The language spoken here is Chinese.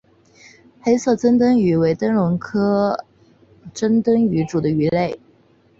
黑色珍灯鱼为灯笼鱼科珍灯鱼属的鱼类。